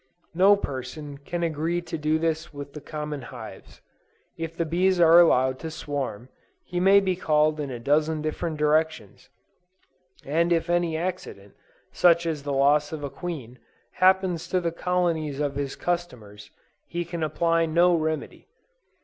No person can agree to do this with the common hives. If the bees are allowed to swarm, he may be called in a dozen different directions, and if any accident, such as the loss of a queen, happens to the colonies of his customers, he can apply no remedy.